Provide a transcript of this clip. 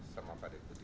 sama pada ikuti